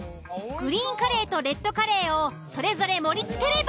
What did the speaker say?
グリーンカレーとレッドカレーをそれぞれ盛りつければ。